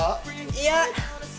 いや？